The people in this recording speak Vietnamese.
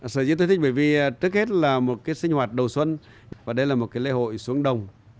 sở dĩa tôi thích bởi vì trước hết là một cái sinh hoạt đầu xuân và đây là một cái lễ hội xuống đông